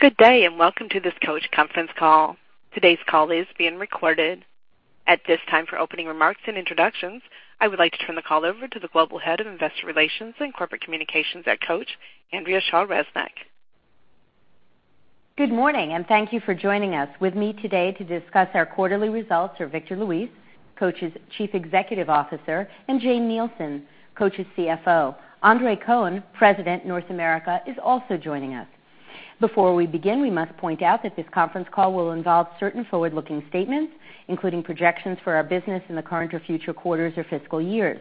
Good day. Welcome to this Coach conference call. Today's call is being recorded. At this time, for opening remarks and introductions, I would like to turn the call over to the Global Head of Investor Relations and Corporate Communications at Coach, Andrea Shaw Resnick. Good morning. Thank you for joining us. With me today to discuss our quarterly results are Victor Luis, Coach's Chief Executive Officer, and Jane Nielsen, Coach's CFO. Andre Cohen, President, North America, is also joining us. Before we begin, we must point out that this conference call will involve certain forward-looking statements, including projections for our business in the current or future quarters or fiscal years.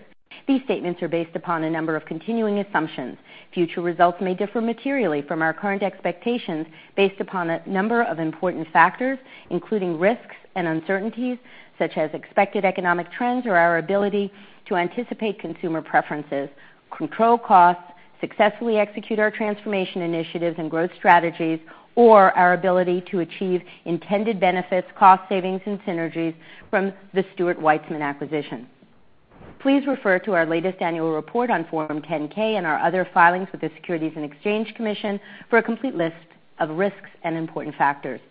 These statements are based upon a number of continuing assumptions. Future results may differ materially from our current expectations based upon a number of important factors, including risks and uncertainties such as expected economic trends or our ability to anticipate consumer preferences, control costs, successfully execute our transformation initiatives and growth strategies, or our ability to achieve intended benefits, cost savings, and synergies from the Stuart Weitzman acquisition. Please refer to our latest annual report on Form 10-K and our other filings with the Securities and Exchange Commission for a complete list of risks and important factors.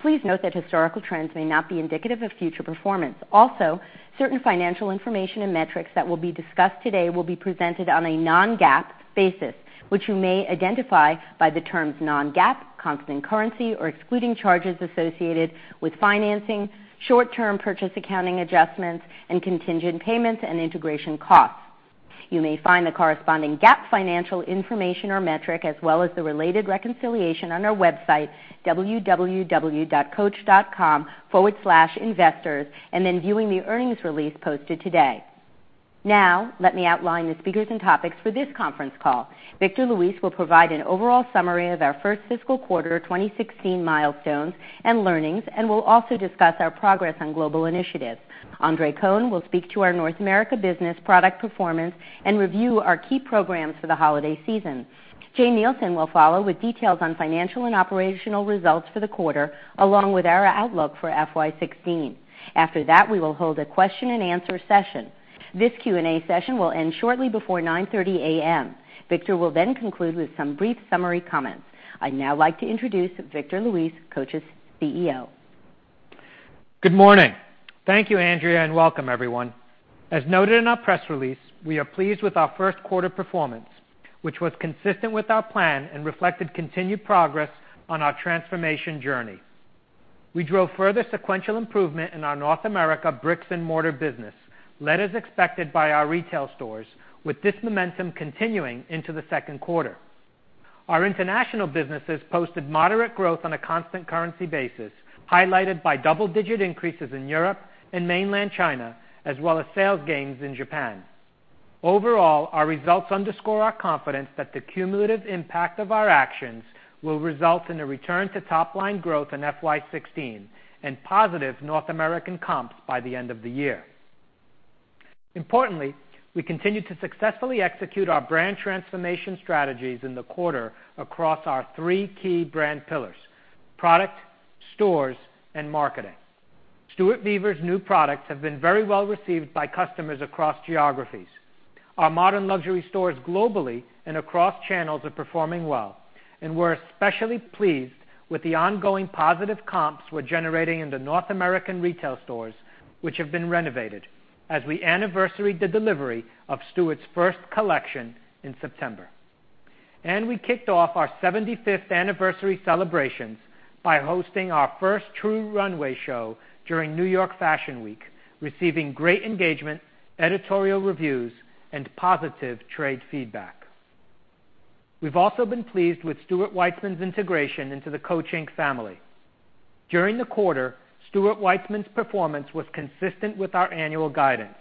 Please note that historical trends may not be indicative of future performance. Also, certain financial information and metrics that will be discussed today will be presented on a non-GAAP basis, which you may identify by the terms non-GAAP, constant currency, or excluding charges associated with financing, short-term purchase accounting adjustments, and contingent payments and integration costs. You may find the corresponding GAAP financial information or metric as well as the related reconciliation on our website, www.coach.com/investors, viewing the earnings release posted today. Now, let me outline the speakers and topics for this conference call. Victor Luis will provide an overall summary of our first fiscal quarter 2016 milestones and learnings and will also discuss our progress on global initiatives. Andre Cohen will speak to our North America business product performance and review our key programs for the holiday season. Jane Nielsen will follow with details on financial and operational results for the quarter, along with our outlook for FY 2016. After that, we will hold a question-and-answer session. This Q&A session will end shortly before 9:30 A.M. Victor will conclude with some brief summary comments. I'd now like to introduce Victor Luis, Coach's CEO. Good morning. Thank you, Andrea, and welcome everyone. As noted in our press release, we are pleased with our first-quarter performance, which was consistent with our plan and reflected continued progress on our transformation journey. We drove further sequential improvement in our North America bricks and mortar business, led as expected by our retail stores, with this momentum continuing into the second quarter. Our international businesses posted moderate growth on a constant currency basis, highlighted by double-digit increases in Europe and Mainland China, as well as sales gains in Japan. Overall, our results underscore our confidence that the cumulative impact of our actions will result in a return to top-line growth in FY 2016 and positive North American comps by the end of the year. Importantly, we continued to successfully execute our brand transformation strategies in the quarter across our three key brand pillars: product, stores, and marketing. Stuart Vevers' new products have been very well-received by customers across geographies. Our modern luxury stores globally and across channels are performing well, and we're especially pleased with the ongoing positive comps we're generating in the North American retail stores, which have been renovated, as we anniversary the delivery of Stuart's first collection in September. We kicked off our 75th anniversary celebrations by hosting our first true runway show during New York Fashion Week, receiving great engagement, editorial reviews, and positive trade feedback. We've also been pleased with Stuart Weitzman's integration into the Coach, Inc. family. During the quarter, Stuart Weitzman's performance was consistent with our annual guidance.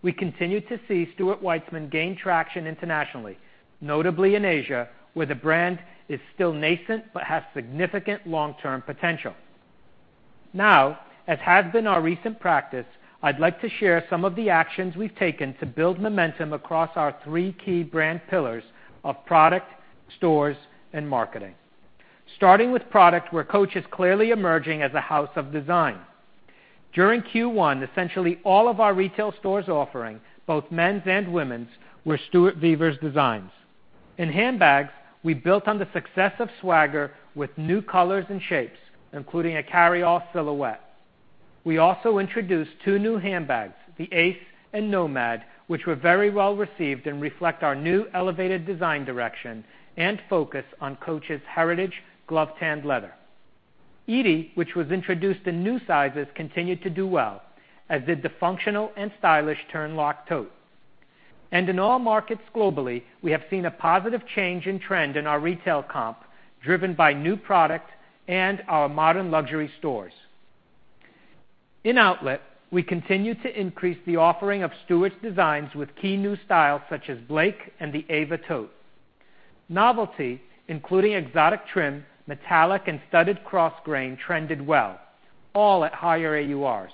We continued to see Stuart Weitzman gain traction internationally, notably in Asia, where the brand is still nascent but has significant long-term potential. As has been our recent practice, I'd like to share some of the actions we've taken to build momentum across our three key brand pillars of product, stores, and marketing. Starting with product, where Coach is clearly emerging as a house of design. During Q1, essentially all of our retail stores offering, both men's and women's, were Stuart Vevers designs. In handbags, we built on the success of Swagger with new colors and shapes, including a carry-all silhouette. We also introduced two new handbags, the Ace and Nomad, which were very well-received and reflect our new elevated design direction and focus on Coach's heritage glove-tanned leather. Edie, which was introduced in new sizes, continued to do well, as did the functional and stylish Turnlock Tote. In all markets globally, we have seen a positive change in trend in our retail comp, driven by new product and our modern luxury stores. In outlet, we continued to increase the offering of Stuart's designs with key new styles such as Blake and the Ava Tote. Novelty, including exotic trim, metallic, and studded crossgrain trended well, all at higher AURs.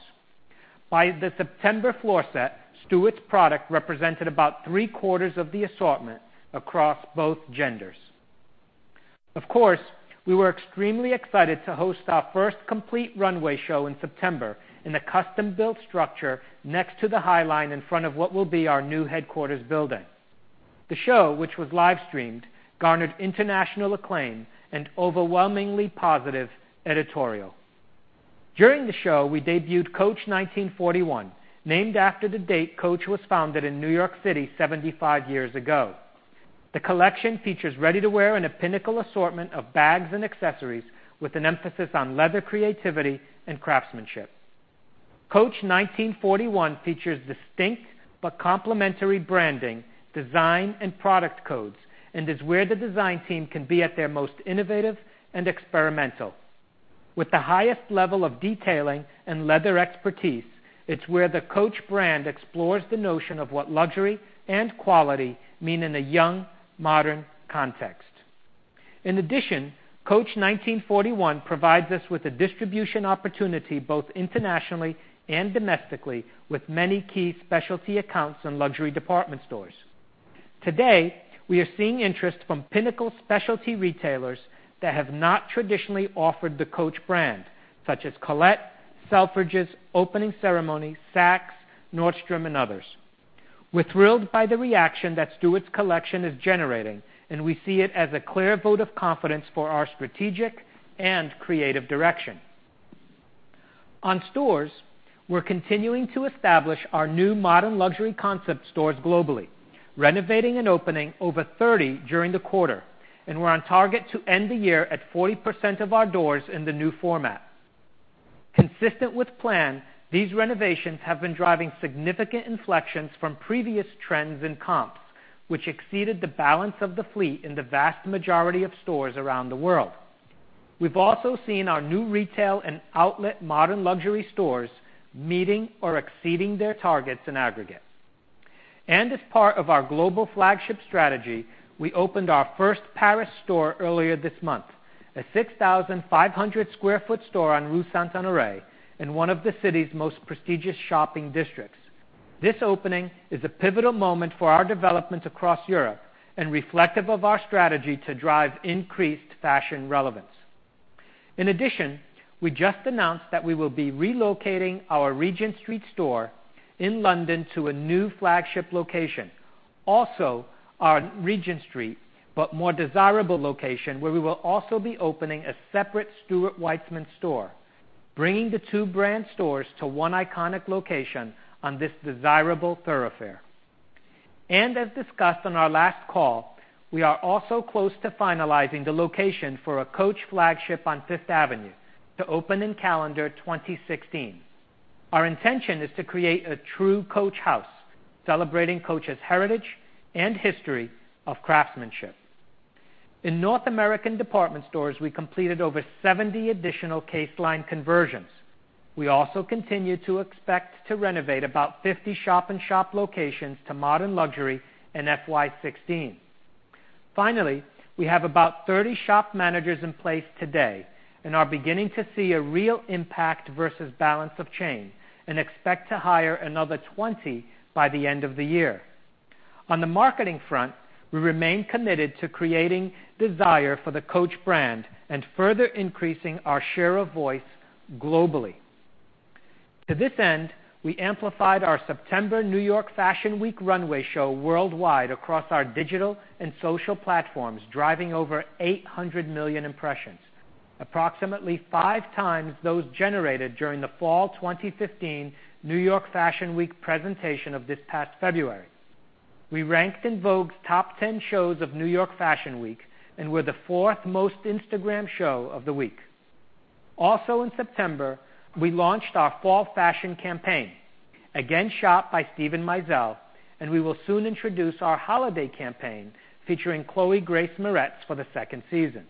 By the September floor set, Stuart's product represented about three-quarters of the assortment across both genders. Of course, we were extremely excited to host our first complete runway show in September in a custom-built structure next to the High Line in front of what will be our new headquarters building. The show, which was live-streamed, garnered international acclaim and overwhelmingly positive editorial. During the show, we debuted Coach 1941, named after the date Coach was founded in New York City 75 years ago. The collection features ready-to-wear and a pinnacle assortment of bags and accessories with an emphasis on leather creativity and craftsmanship. Coach 1941 features distinct but complementary branding, design, and product codes and is where the design team can be at their most innovative and experimental. With the highest level of detailing and leather expertise, it's where the Coach brand explores the notion of what luxury and quality mean in a young, modern context. In addition, Coach 1941 provides us with a distribution opportunity both internationally and domestically with many key specialty accounts and luxury department stores. Today, we are seeing interest from pinnacle specialty retailers that have not traditionally offered the Coach brand, such as Colette, Selfridges, Opening Ceremony, Saks, Nordstrom, and others. We're thrilled by the reaction that Stuart's collection is generating, and we see it as a clear vote of confidence for our strategic and creative direction. On stores, we're continuing to establish our new modern luxury concept stores globally, renovating and opening over 30 during the quarter, and we're on target to end the year at 40% of our doors in the new format. Consistent with plan, these renovations have been driving significant inflections from previous trends in comps, which exceeded the balance of the fleet in the vast majority of stores around the world. We've also seen our new retail and outlet modern luxury stores meeting or exceeding their targets in aggregate. As part of our global flagship strategy, we opened our first Paris store earlier this month, a 6,500 sq ft store on Rue Saint-Honoré in one of the city's most prestigious shopping districts. This opening is a pivotal moment for our development across Europe and reflective of our strategy to drive increased fashion relevance. In addition, we just announced that we will be relocating our Regent Street store in London to a new flagship location. Also on Regent Street, but more desirable location, where we will also be opening a separate Stuart Weitzman store, bringing the two brand stores to one iconic location on this desirable thoroughfare. As discussed on our last call, we are also close to finalizing the location for a Coach flagship on Fifth Avenue to open in calendar 2016. Our intention is to create a true Coach house celebrating Coach's heritage and history of craftsmanship. In North American department stores, we completed over 70 additional case line conversions. We also continue to expect to renovate about 50 shop-in-shop locations to modern luxury in FY 2016. Finally, we have about 30 shop managers in place today and are beginning to see a real impact versus balance of chain and expect to hire another 20 by the end of the year. On the marketing front, we remain committed to creating desire for the Coach brand and further increasing our share of voice globally. To this end, we amplified our September New York Fashion Week runway show worldwide across our digital and social platforms, driving over 800 million impressions, approximately five times those generated during the fall 2015 New York Fashion Week presentation of this past February. We ranked in Vogue's top 10 shows of New York Fashion Week and were the fourth most Instagrammed show of the week. In September, we launched our fall fashion campaign, again shot by Steven Meisel, and we will soon introduce our holiday campaign featuring Chloë Grace Moretz for the second season.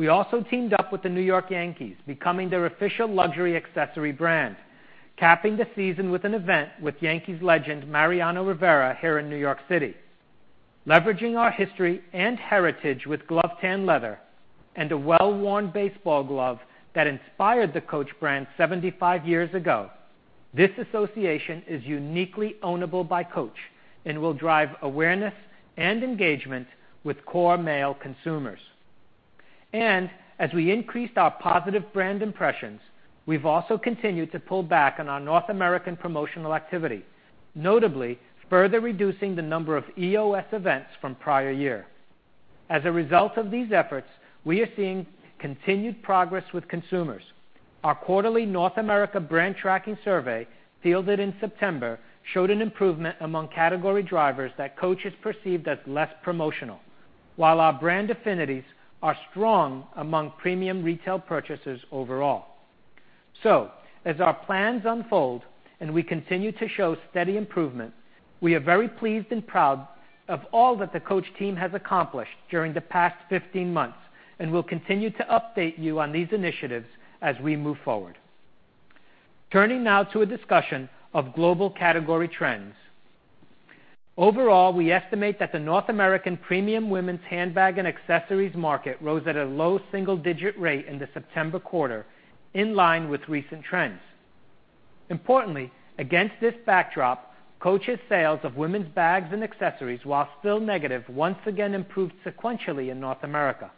We also teamed up with the New York Yankees, becoming their official luxury accessory brand, capping the season with an event with Yankees legend Mariano Rivera here in New York City. Leveraging our history and heritage with glove-tanned leather and a well-worn baseball glove that inspired the Coach brand 75 years ago, this association is uniquely ownable by Coach and will drive awareness and engagement with core male consumers. As we increased our positive brand impressions, we've also continued to pull back on our North American promotional activity, notably further reducing the number of EOS events from prior year. As a result of these efforts, we are seeing continued progress with consumers. Our quarterly North America brand tracking survey, fielded in September, showed an improvement among category drivers that Coach is perceived as less promotional while our brand affinities are strong among premium retail purchasers overall. As our plans unfold and we continue to show steady improvement, we are very pleased and proud of all that the Coach team has accomplished during the past 15 months and will continue to update you on these initiatives as we move forward. Turning now to a discussion of global category trends. Overall, we estimate that the North American premium women's handbag and accessories market rose at a low single-digit rate in the September quarter, in line with recent trends. Importantly, against this backdrop, Coach's sales of women's bags and accessories, while still negative, once again improved sequentially in North America.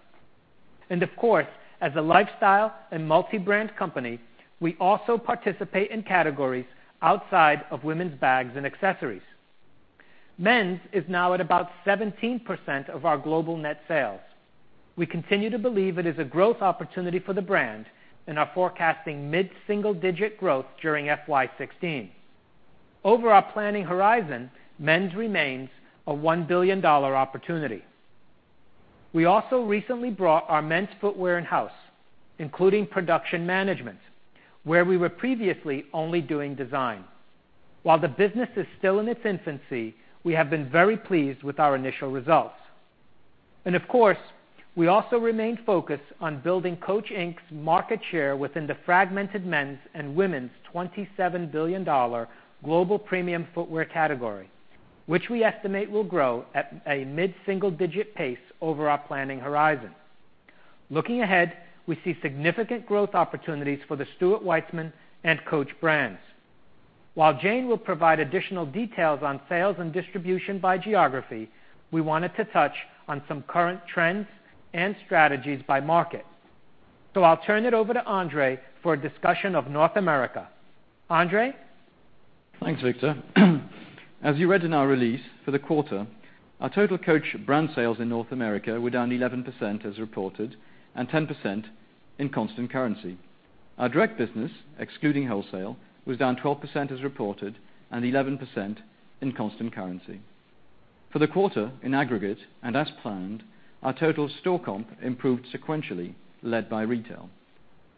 Of course, as a lifestyle and multi-brand company, we also participate in categories outside of women's bags and accessories. Men's is now at about 17% of our global net sales. We continue to believe it is a growth opportunity for the brand and are forecasting mid-single-digit growth during FY 2016. Over our planning horizon, men's remains a $1 billion opportunity. We also recently brought our men's footwear in-house, including production management, where we were previously only doing design. While the business is still in its infancy, we have been very pleased with our initial results. Of course, we also remain focused on building Coach Inc.'s market share within the fragmented men's and women's $27 billion global premium footwear category, which we estimate will grow at a mid-single-digit pace over our planning horizon. Looking ahead, we see significant growth opportunities for the Stuart Weitzman and Coach brands. While Jane will provide additional details on sales and distribution by geography, we wanted to touch on some current trends and strategies by market. I'll turn it over to Andre for a discussion of North America. Andre? Thanks, Victor. As you read in our release for the quarter, our total Coach brand sales in North America were down 11% as reported and 10% in constant currency. Our direct business, excluding wholesale, was down 12% as reported and 11% in constant currency. For the quarter in aggregate, as planned, our total store comp improved sequentially, led by retail.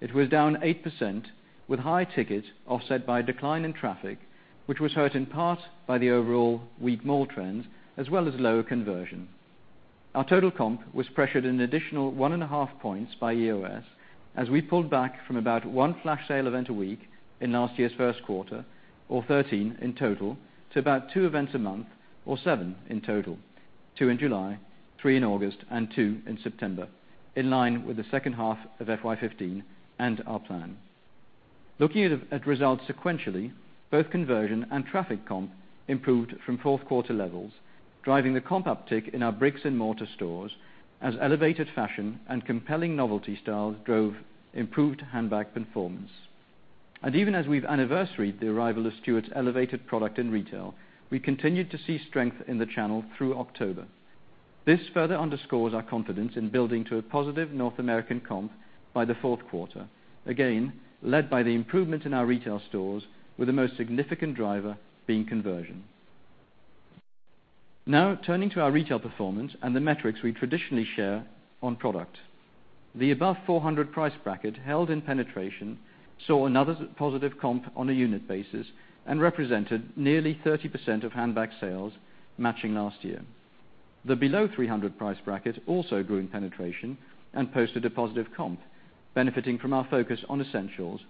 It was down 8%, with high ticket offset by a decline in traffic, which was hurt in part by the overall weak mall trends as well as lower conversion. Our total comp was pressured an additional 1.5 points by EOS as we pulled back from about one flash sale event a week in last year's first quarter, or 13 in total, to about two events a month or seven in total. Two in July, three in August, and two in September, in line with the second half of FY 2015 and our plan. Even as we've anniversaried the arrival of Stuart's elevated product in retail, we continued to see strength in the channel through October. This further underscores our confidence in building to a positive North American comp by the fourth quarter, again, led by the improvement in our retail stores, with the most significant driver being conversion. Turning to our retail performance and the metrics we traditionally share on product. The above 400 price bracket held in penetration saw another positive comp on a unit basis and represented nearly 30% of handbag sales, matching last year. The below 300 price bracket also grew in penetration and posted a positive comp, benefiting from our focus on essentials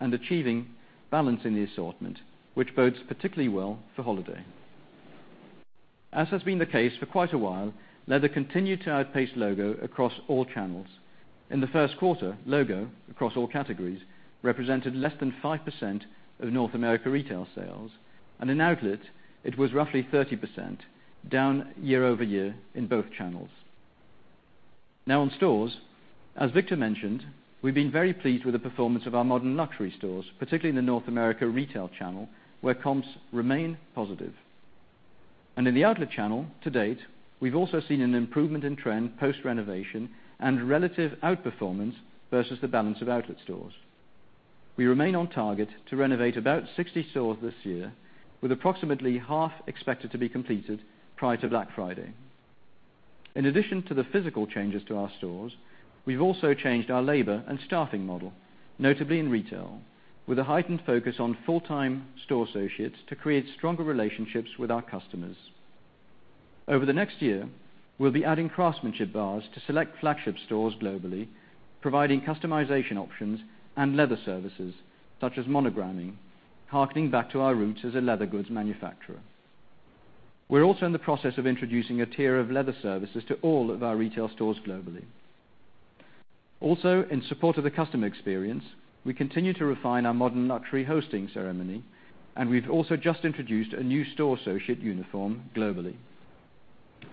and achieving balance in the assortment, which bodes particularly well for holiday. Has been the case for quite a while, leather continued to outpace logo across all channels. In the first quarter, logo, across all categories, represented less than 5% of North America retail sales, and in outlet, it was roughly 30%, down year-over-year in both channels. On stores, as Victor mentioned, we've been very pleased with the performance of our modern luxury stores, particularly in the North America retail channel, where comps remain positive. In the outlet channel to date, we've also seen an improvement in trend post-renovation and relative outperformance versus the balance of outlet stores. We remain on target to renovate about 60 stores this year, with approximately half expected to be completed prior to Black Friday. In addition to the physical changes to our stores, we've also changed our labor and staffing model, notably in retail, with a heightened focus on full-time store associates to create stronger relationships with our customers. Over the next year, we'll be adding craftsmanship bars to select flagship stores globally, providing customization options and leather services such as monogramming, harkening back to our roots as a leather goods manufacturer. We're also in the process of introducing a tier of leather services to all of our retail stores globally. In support of the customer experience, we continue to refine our modern luxury hosting ceremony, and we've also just introduced a new store associate uniform globally.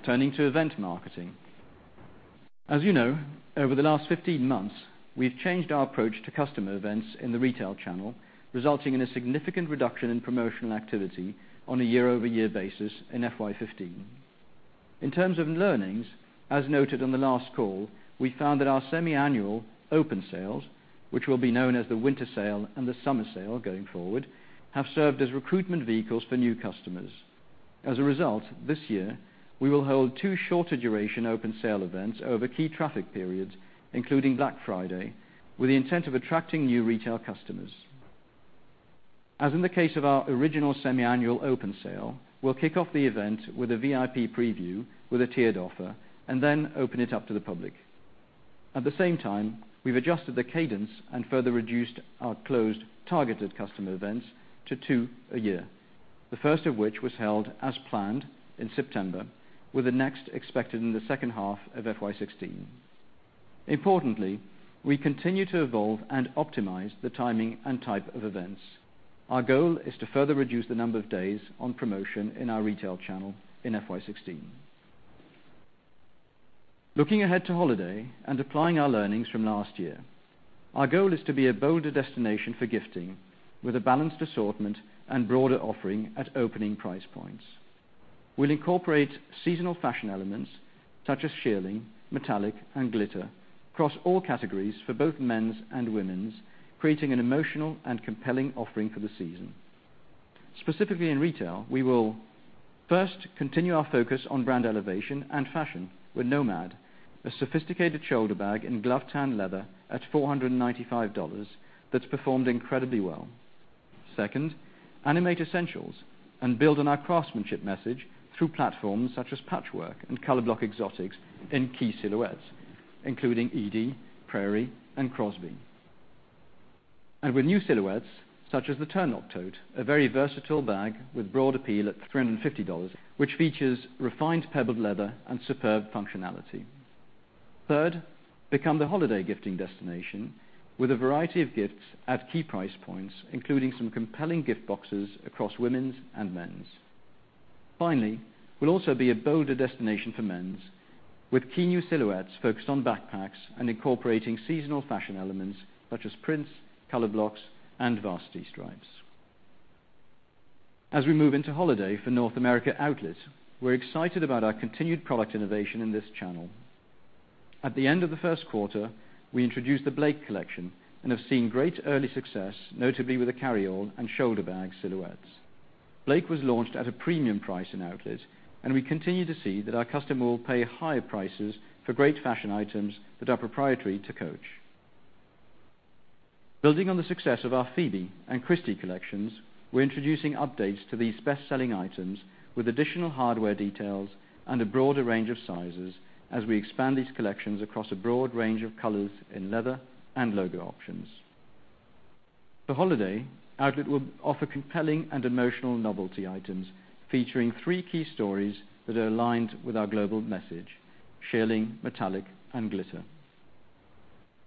Turning to event marketing. As you know, over the last 15 months, we've changed our approach to customer events in the retail channel, resulting in a significant reduction in promotional activity on a year-over-year basis in FY 2015. In terms of learnings, as noted on the last call, we found that our semiannual open sales, which will be known as the winter sale and the summer sale going forward, have served as recruitment vehicles for new customers. As a result, this year, we will hold two shorter duration open sale events over key traffic periods, including Black Friday, with the intent of attracting new retail customers. As in the case of our original semiannual open sale, we'll kick off the event with a VIP preview with a tiered offer and then open it up to the public. At the same time, we've adjusted the cadence and further reduced our closed, targeted customer events to two a year, the first of which was held as planned in September, with the next expected in the second half of FY 2016. Importantly, we continue to evolve and optimize the timing and type of events. Our goal is to further reduce the number of days on promotion in our retail channel in FY 2016. Looking ahead to holiday and applying our learnings from last year, our goal is to be a bolder destination for gifting with a balanced assortment and broader offering at opening price points. We'll incorporate seasonal fashion elements such as shearling, metallic, and glitter across all categories for both men's and women's, creating an emotional and compelling offering for the season. Specifically in retail, we will first continue our focus on brand elevation and fashion with Nomad, a sophisticated shoulder bag in glove-tanned leather at $495 that's performed incredibly well. Second, animate essentials and build on our craftsmanship message through platforms such as patchwork and color block exotics in key silhouettes, including Edie, Prairie, and Crosby. With new silhouettes such as the Turnlock Tote, a very versatile bag with broad appeal at $350, which features refined pebbled leather and superb functionality. Third, become the holiday gifting destination with a variety of gifts at key price points, including some compelling gift boxes across women's and men's. Finally, will also be a bolder destination for men's with key new silhouettes focused on backpacks and incorporating seasonal fashion elements such as prints, color blocks, and varsity stripes. As we move into holiday for North America Outlet, we're excited about our continued product innovation in this channel. At the end of the first quarter, we introduced the Blake collection and have seen great early success, notably with the carryall and shoulder bag silhouettes. Blake was launched at a premium price in Outlet, and we continue to see that our customer will pay higher prices for great fashion items that are proprietary to Coach. Building on the success of our Phoebe and Christy collections, we're introducing updates to these best-selling items with additional hardware details and a broader range of sizes as we expand these collections across a broad range of colors in leather and logo options. For holiday, Outlet will offer compelling and emotional novelty items featuring three key stories that are aligned with our global message, shearling, metallic, and glitter.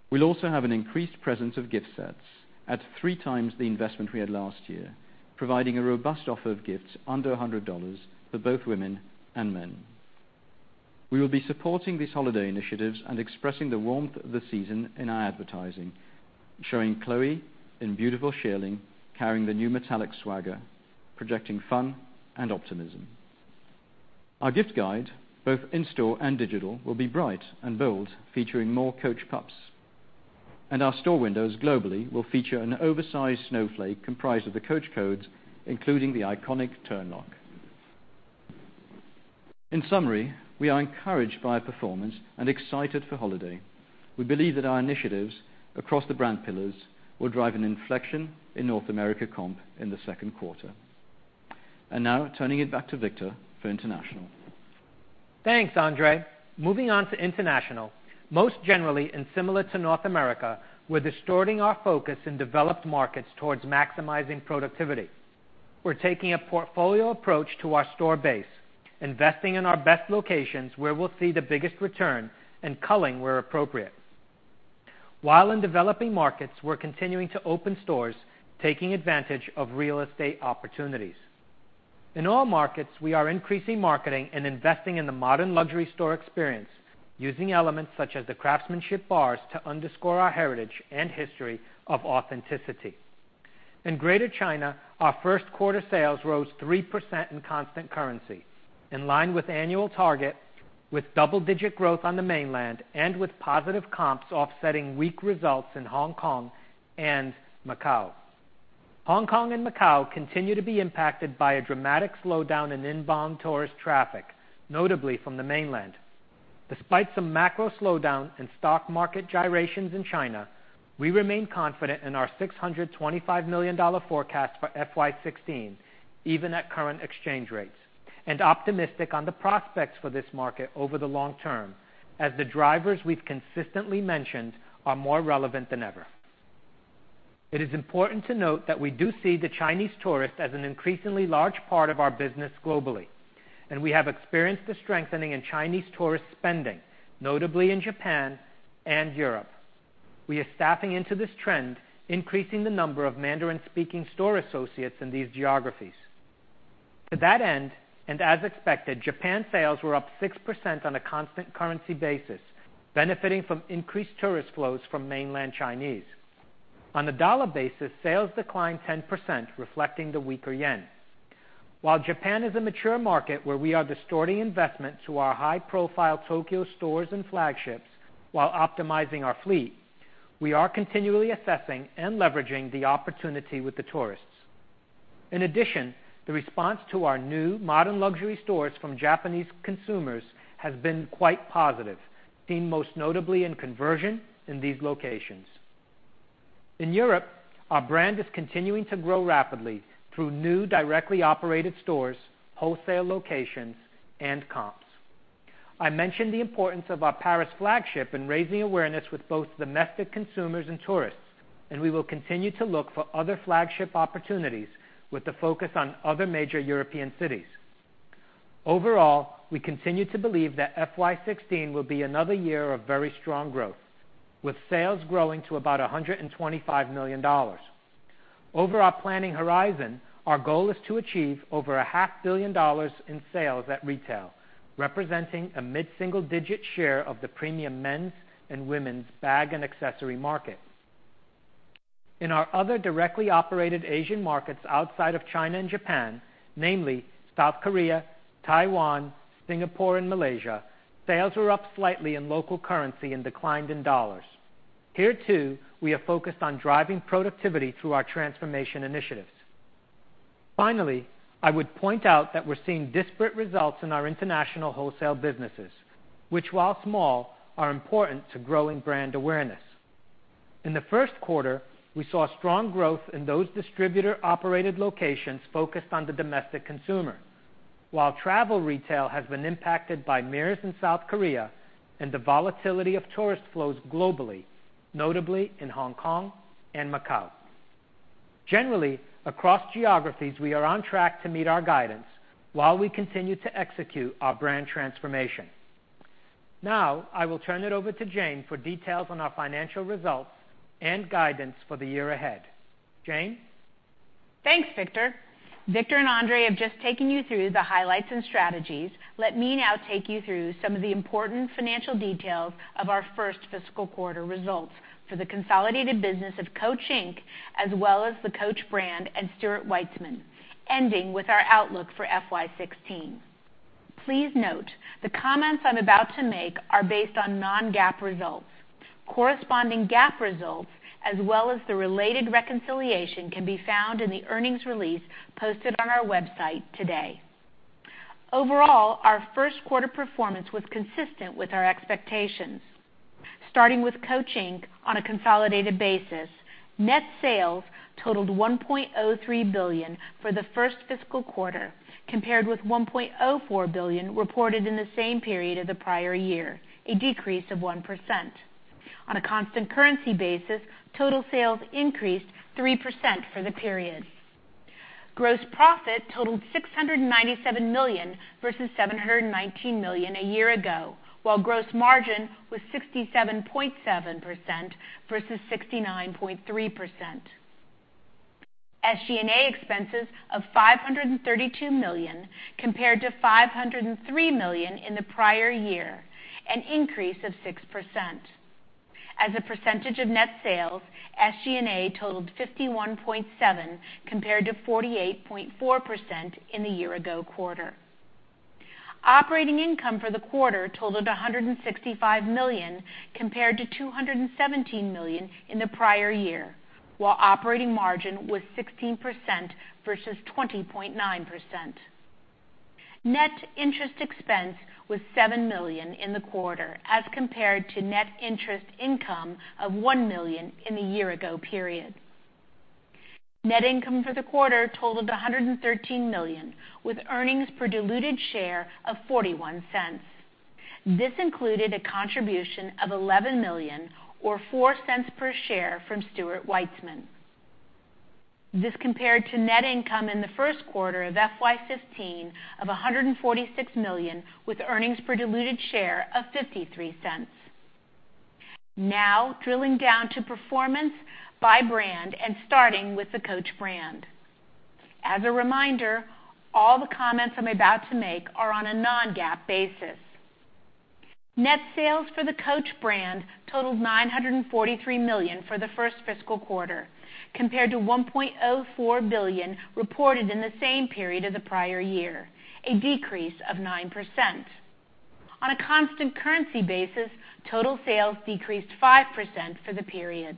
We will also have an increased presence of gift sets at three times the investment we had last year, providing a robust offer of gifts under $100 for both women and men. We will be supporting these holiday initiatives and expressing the warmth of the season in our advertising, showing Chloë in beautiful shearling, carrying the new Metallic Swagger, projecting fun and optimism. Our gift guide, both in-store and digital, will be bright and bold, featuring more Coach Pups. Our store windows globally will feature an oversized snowflake comprised of the Coach codes, including the iconic Turnlock. In summary, we are encouraged by our performance and excited for holiday. We believe that our initiatives across the brand pillars will drive an inflection in North America comp in the second quarter. Now turning it back to Victor for international. Thanks, Andre. Moving on to international. Most generally, and similar to North America, we're distorting our focus in developed markets towards maximizing productivity. We're taking a portfolio approach to our store base, investing in our best locations where we'll see the biggest return and culling where appropriate. While in developing markets, we're continuing to open stores, taking advantage of real estate opportunities. In all markets, we are increasing marketing and investing in the modern luxury store experience using elements such as the craftsmanship bars to underscore our heritage and history of authenticity. In Greater China, our first quarter sales rose 3% in constant currency, in line with annual target, with double-digit growth on the mainland and with positive comps offsetting weak results in Hong Kong and Macau. Hong Kong and Macau continue to be impacted by a dramatic slowdown in inbound tourist traffic, notably from the mainland. Despite some macro slowdown and stock market gyrations in China, we remain confident in our $625 million forecast for FY 2016, even at current exchange rates, and optimistic on the prospects for this market over the long term as the drivers we've consistently mentioned are more relevant than ever. It is important to note that we do see the Chinese tourist as an increasingly large part of our business globally, and we have experienced the strengthening in Chinese tourist spending, notably in Japan and Europe. We are staffing into this trend, increasing the number of Mandarin-speaking store associates in these geographies. To that end, as expected, Japan sales were up 6% on a constant currency basis, benefiting from increased tourist flows from mainland Chinese. On a dollar basis, sales declined 10%, reflecting the weaker yen. While Japan is a mature market where we are distorting investment to our high-profile Tokyo stores and flagships while optimizing our fleet, we are continually assessing and leveraging the opportunity with the tourists. In addition, the response to our new modern luxury stores from Japanese consumers has been quite positive, seen most notably in conversion in these locations. In Europe, our brand is continuing to grow rapidly through new directly operated stores, wholesale locations, and comps. I mentioned the importance of our Paris flagship in raising awareness with both domestic consumers and tourists, we will continue to look for other flagship opportunities with the focus on other major European cities. Overall, we continue to believe that FY 2016 will be another year of very strong growth, with sales growing to about $125 million. Over our planning horizon, our goal is to achieve over a half billion dollars in sales at retail, representing a mid-single-digit share of the premium men's and women's bag and accessory market. In our other directly operated Asian markets outside of China and Japan, namely South Korea, Taiwan, Singapore, and Malaysia, sales were up slightly in local currency and declined in U.S. dollars. Here too, we have focused on driving productivity through our transformation initiatives. Finally, I would point out that we're seeing disparate results in our international wholesale businesses, which while small, are important to growing brand awareness. In the first quarter, we saw strong growth in those distributor-operated locations focused on the domestic consumer. While travel retail has been impacted by MERS in South Korea and the volatility of tourist flows globally, notably in Hong Kong and Macau. Generally, across geographies, we are on track to meet our guidance while we continue to execute our brand transformation. Now, I will turn it over to Jane for details on our financial results and guidance for the year ahead. Jane? Thanks, Victor. Victor and Andre have just taken you through the highlights and strategies. Let me now take you through some of the important financial details of our first fiscal quarter results for the consolidated business of Coach, Inc., as well as the Coach brand and Stuart Weitzman, ending with our outlook for FY 2016. Please note the comments I'm about to make are based on non-GAAP results. Corresponding GAAP results, as well as the related reconciliation, can be found in the earnings release posted on our website today. Overall, our first quarter performance was consistent with our expectations. Starting with Coach, Inc., on a consolidated basis, net sales totaled $1.03 billion for the first fiscal quarter, compared with $1.04 billion reported in the same period of the prior year, a decrease of 1%. On a constant currency basis, total sales increased 3% for the period. Gross profit totaled $697 million versus $719 million a year ago, while gross margin was 67.7% versus 69.3%. SG&A expenses of $532 million compared to $503 million in the prior year, an increase of 6%. As a percentage of net sales, SG&A totaled 51.7% compared to 48.4% in the year-ago quarter. Operating income for the quarter totaled $165 million compared to $217 million in the prior year, while operating margin was 16% versus 20.9%. Net interest expense was $7 million in the quarter as compared to net interest income of $1 million in the year-ago period. Net income for the quarter totaled $113 million, with earnings per diluted share of $0.41. This included a contribution of $11 million or $0.04 per share from Stuart Weitzman. This compared to net income in the first quarter of FY 2015 of $146 million, with earnings per diluted share of $0.53. Now drilling down to performance by brand and starting with the Coach brand. As a reminder, all the comments I'm about to make are on a non-GAAP basis. Net sales for the Coach brand totaled $943 million for the first fiscal quarter compared to $1.04 billion reported in the same period of the prior year, a decrease of 9%. On a constant currency basis, total sales decreased 5% for the period.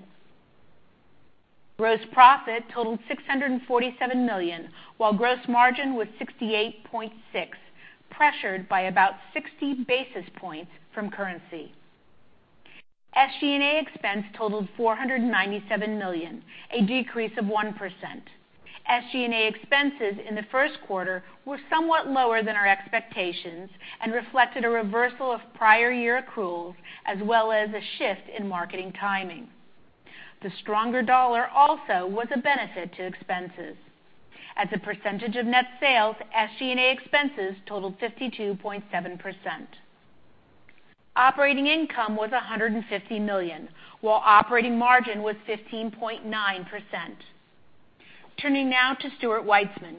Gross profit totaled $647 million, while gross margin was 68.6%, pressured by about 60 basis points from currency. SG&A expense totaled $497 million, a decrease of 1%. SG&A expenses in the first quarter were somewhat lower than our expectations and reflected a reversal of prior year accruals as well as a shift in marketing timing. The stronger dollar also was a benefit to expenses. As a percentage of net sales, SG&A expenses totaled 52.7%. Operating income was $150 million, while operating margin was 15.9%. Turning now to Stuart Weitzman.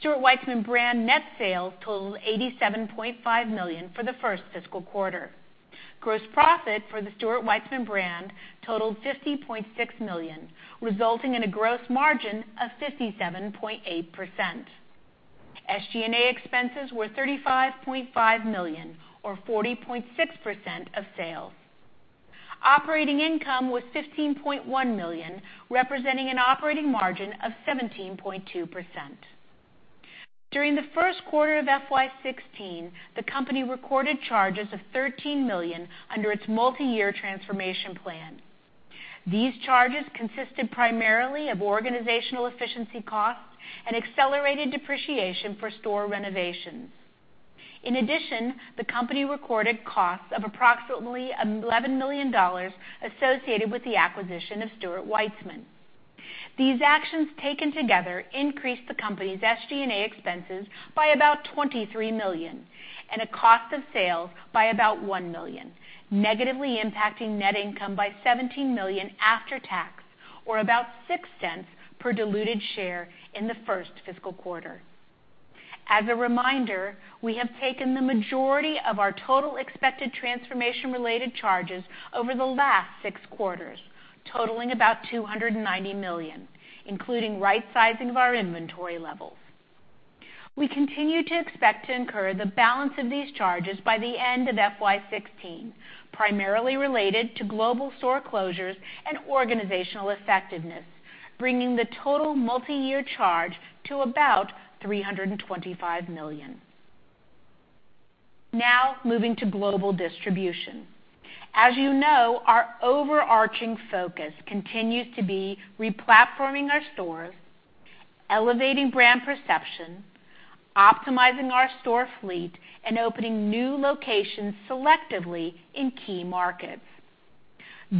Stuart Weitzman brand net sales totaled $87.5 million for the first fiscal quarter. Gross profit for the Stuart Weitzman brand totaled $50.6 million, resulting in a gross margin of 57.8%. SG&A expenses were $35.5 million or 40.6% of sales. Operating income was $15.1 million, representing an operating margin of 17.2%. During the first quarter of FY 2016, the company recorded charges of $13 million under its multi-year transformation plan. These charges consisted primarily of organizational efficiency costs and accelerated depreciation for store renovations. In addition, the company recorded costs of approximately $11 million associated with the acquisition of Stuart Weitzman. These actions taken together increased the company's SG&A expenses by about $23 million and a cost of sales by about $1 million, negatively impacting net income by $17 million after tax, or about $0.06 per diluted share in the first fiscal quarter. As a reminder, we have taken the majority of our total expected transformation-related charges over the last six quarters, totaling about $290 million, including rightsizing of our inventory levels. We continue to expect to incur the balance of these charges by the end of FY 2016, primarily related to global store closures and organizational effectiveness, bringing the total multiyear charge to about $325 million. Moving to global distribution. As you know, our overarching focus continues to be replatforming our stores, elevating brand perception, optimizing our store fleet, and opening new locations selectively in key markets.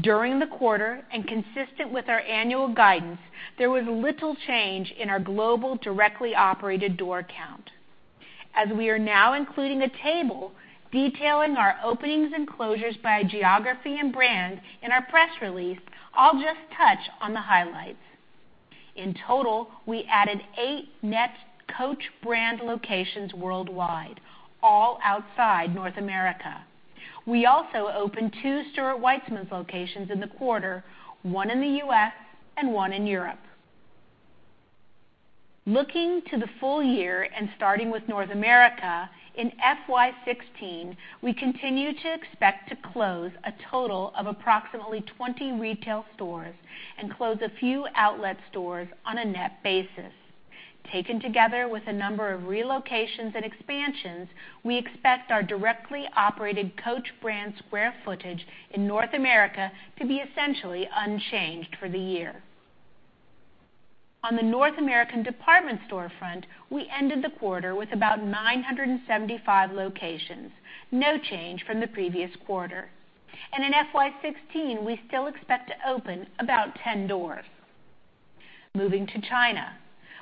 During the quarter, and consistent with our annual guidance, there was little change in our global directly operated door count. As we are now including a table detailing our openings and closures by geography and brand in our press release, I'll just touch on the highlights. In total, we added eight net Coach brand locations worldwide, all outside North America. We also opened two Stuart Weitzman locations in the quarter, one in the U.S. and one in Europe. Looking to the full year and starting with North America, in FY 2016, we continue to expect to close a total of approximately 20 retail stores and close a few outlet stores on a net basis. Taken together with a number of relocations and expansions, we expect our directly operated Coach brand square footage in North America to be essentially unchanged for the year. On the North American department store front, we ended the quarter with about 975 locations, no change from the previous quarter. In FY 2016, we still expect to open about 10 doors. Moving to China,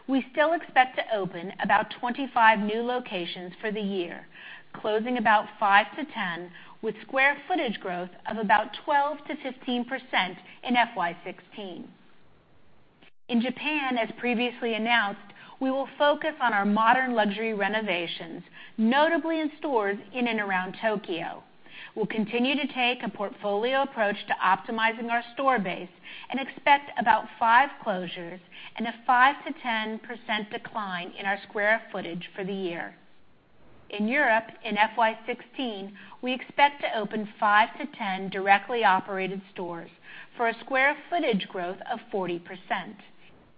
we still expect to open about 25 new locations for the year, closing about 5 to 10, with square footage growth of about 12%-15% in FY 2016. In Japan, as previously announced, we will focus on our modern luxury renovations, notably in stores in and around Tokyo. We will continue to take a portfolio approach to optimizing our store base and expect about 5 closures and a 5%-10% decline in our square footage for the year. In Europe, in FY 2016, we expect to open 5 to 10 directly operated stores for a square footage growth of 40%.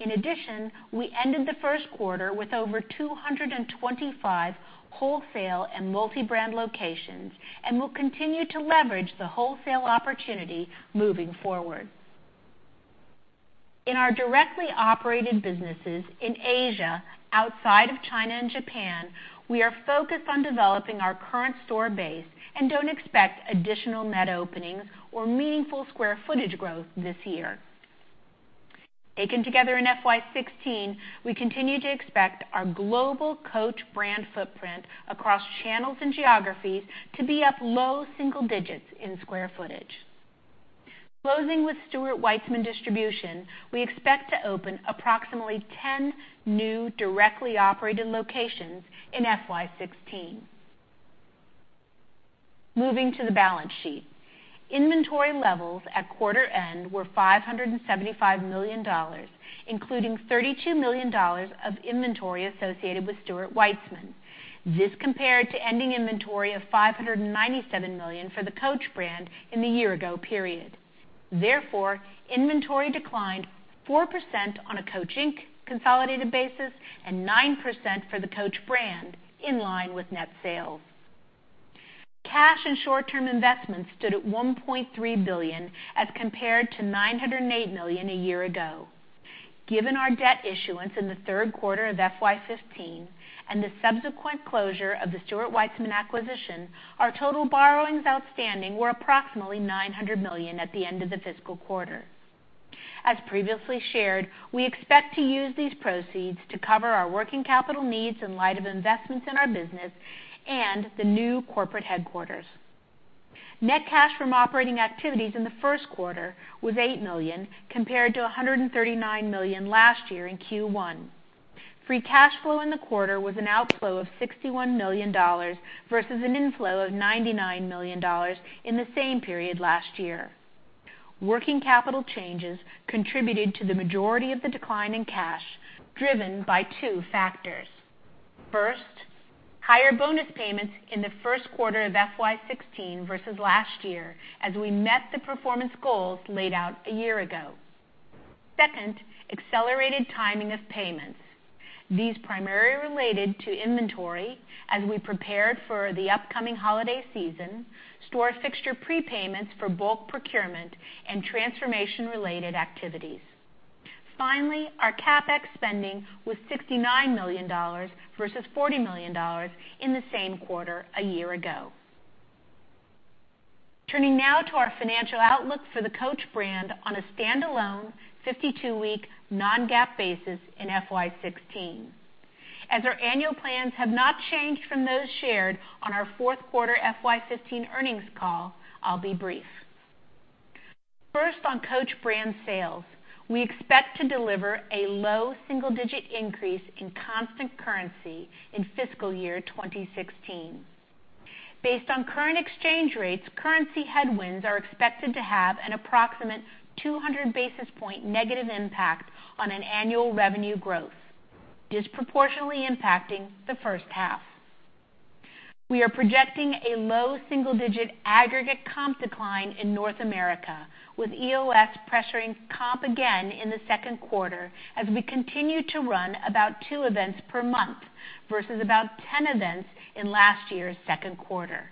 In addition, we ended the first quarter with over 225 wholesale and multi-brand locations and will continue to leverage the wholesale opportunity moving forward. In our directly operated businesses in Asia, outside of China and Japan, we are focused on developing our current store base and do not expect additional net openings or meaningful square footage growth this year. Taken together in FY 2016, we continue to expect our global Coach brand footprint across channels and geographies to be up low single digits in square footage. Closing with Stuart Weitzman distribution, we expect to open approximately 10 new directly operated locations in FY 2016. Moving to the balance sheet. Inventory levels at quarter-end were $575 million, including $32 million of inventory associated with Stuart Weitzman. This compared to ending inventory of $597 million for the Coach brand in the year-ago period. Therefore, inventory declined 4% on a Coach, Inc. consolidated basis and 9% for the Coach brand, in line with net sales. Cash and short-term investments stood at $1.3 billion as compared to $908 million a year ago. Given our debt issuance in the third quarter of FY 2015 and the subsequent closure of the Stuart Weitzman acquisition, our total borrowings outstanding were approximately $900 million at the end of the fiscal quarter. As previously shared, we expect to use these proceeds to cover our working capital needs in light of investments in our business and the new corporate headquarters. Net cash from operating activities in the first quarter was $8 million compared to $139 million last year in Q1. Free cash flow in the quarter was an outflow of $61 million versus an inflow of $99 million in the same period last year. Working capital changes contributed to the majority of the decline in cash, driven by two factors. First, higher bonus payments in the first quarter of FY 2016 versus last year as we met the performance goals laid out a year ago. Second, accelerated timing of payments. These primarily related to inventory as we prepared for the upcoming holiday season, store fixture prepayments for bulk procurement, and transformation-related activities. Finally, our CapEx spending was $69 million versus $40 million in the same quarter a year ago. Turning now to our financial outlook for the Coach brand on a standalone 52-week non-GAAP basis in FY 2016. As our annual plans have not changed from those shared on our fourth quarter FY 2015 earnings call, I will be brief. First, on Coach brand sales, we expect to deliver a low single-digit increase in constant currency in fiscal year 2016. Based on current exchange rates, currency headwinds are expected to have an approximate 200 basis point negative impact on an annual revenue growth, disproportionately impacting the first half. We are projecting a low single-digit aggregate comp decline in North America, with EOS pressuring comp again in the second quarter as we continue to run about two events per month versus about 10 events in last year's second quarter.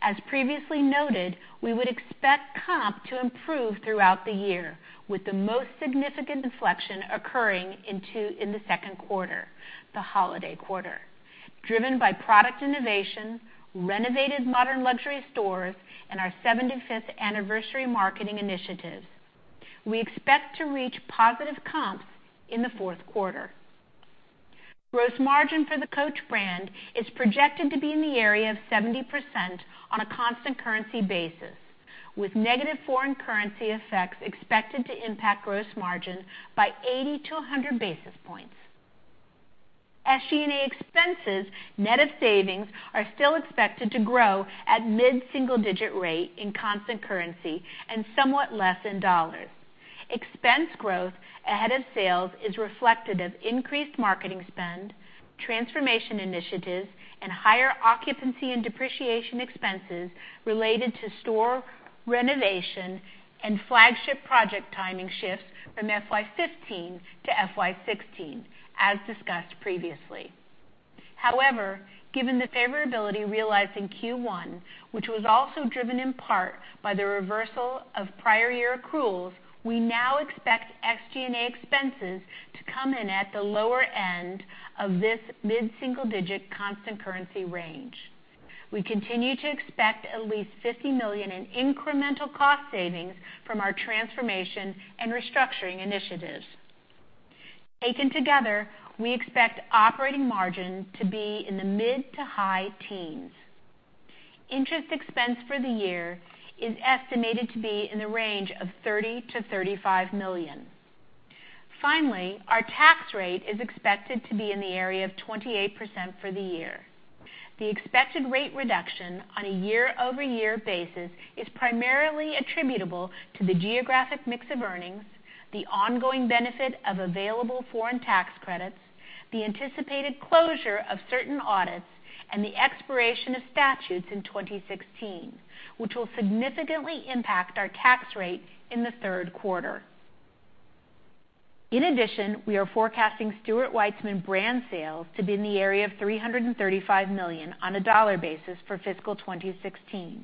As previously noted, we would expect comp to improve throughout the year, with the most significant inflection occurring in the second quarter, the holiday quarter, driven by product innovation, renovated modern luxury stores, and our 75th anniversary marketing initiatives. We expect to reach positive comps in the fourth quarter. Gross margin for the Coach brand is projected to be in the area of 70% on a constant currency basis, with negative foreign currency effects expected to impact gross margin by 80-100 basis points. SG&A expenses, net of savings, are still expected to grow at mid-single-digit rate in constant currency and somewhat less in $. Expense growth ahead of sales is reflective of increased marketing spend, transformation initiatives, and higher occupancy and depreciation expenses related to store renovation and flagship project timing shifts from FY 2015 to FY 2016, as discussed previously. However, given the favorability realized in Q1, which was also driven in part by the reversal of prior year accruals, we now expect SG&A expenses to come in at the lower end of this mid-single-digit constant currency range. We continue to expect at least $50 million in incremental cost savings from our transformation and restructuring initiatives. Taken together, we expect operating margin to be in the mid to high teens. Interest expense for the year is estimated to be in the range of $30 million-$35 million. Finally, our tax rate is expected to be in the area of 28% for the year. The expected rate reduction on a year-over-year basis is primarily attributable to the geographic mix of earnings, the ongoing benefit of available foreign tax credits, the anticipated closure of certain audits, and the expiration of statutes in 2016, which will significantly impact our tax rate in the third quarter. In addition, we are forecasting Stuart Weitzman brand sales to be in the area of $335 million on a $ basis for fiscal 2016,